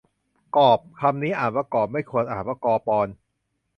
กอปร คำนี้อ่านว่ากอบ ไม่ควรอ่านว่ากอปอน